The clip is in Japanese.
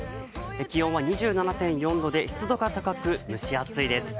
気温は２７．４度で湿度が高く蒸し暑いです。